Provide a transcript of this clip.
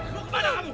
pondok hebat di sini